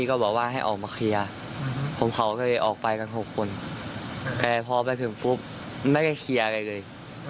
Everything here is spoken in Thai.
ก็บอกว่าให้ออกมาเคลียร์ผมเขาก็เลยออกไปกัน๖คนแต่พอไปถึงปุ๊บไม่ได้เคลียร์อะไรเลย